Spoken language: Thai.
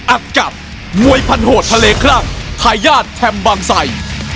อัดกับมวยพันโหดทะเลคลั่งทายาทแทม์บางไซ